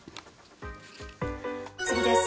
次です。